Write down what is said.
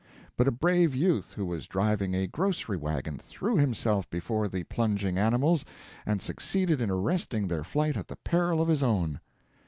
But a brave youth who was driving a grocery wagon threw himself before the plunging animals, and succeeded in arresting their flight at the peril of his own.